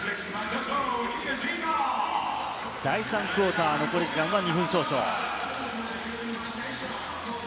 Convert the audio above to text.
第３クオーター残り時間は２分少々。